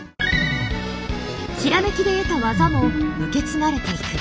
閃きで得た技も受け継がれていく。